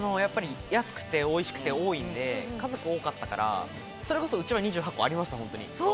安くて美味しくて多いんで、家族多かったから、それこそ、うちも２８個ありました。